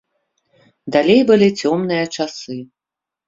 Далей былі цёмныя часы.